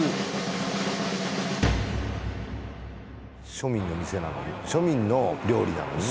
庶民の店庶民の料理なのに？